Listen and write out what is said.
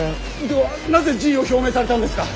ではなぜ辞意を表明されたんですか？